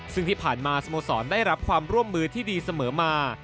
ซึ่งที่ผ่านมาสโมสรได้รับความร่วมมือที่ดีเสมอมา